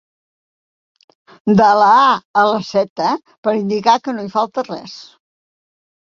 «de la a a la zeta» per indicar que no hi falta res.